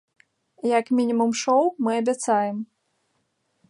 Як мінімум шоў мы абяцаем!